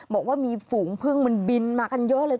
บอกว่ามีฝูงพึ่งมันบินมากันเยอะเลย